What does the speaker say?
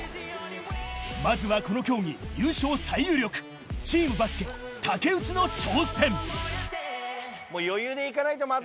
まずはこの競技優勝最有力チームバスケ竹内の挑戦